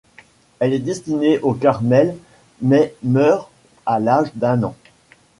Elle est destinée au Carmel mais meurt à l'âge d'un an.